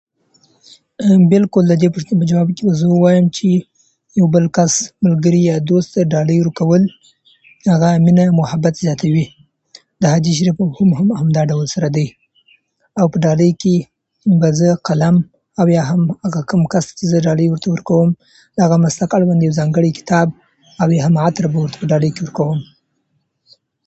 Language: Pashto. بالکل، د دې پوښتنې په ځواب کې به زه ووایم چې بل کس یا دوست ته ډالۍ ورکول، هغه مینه او محبت زیاتوي. د حدیث شریف مفهوم هم په همدا ډول سره دی. او په ډالۍ کې به زه قلم او یا هم هغه کوم کس چې زه ډالۍ ورته ورکوم، د هغه [unintelligible] کتاب او [unintelligible] ډالۍ کې ورکوم.